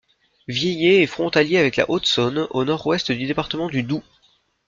Vieilley est frontalier avec la Haute-Saône, au nord-ouest du département du Doubs.